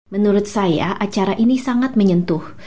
menurut saya acara ini sangat menyentuh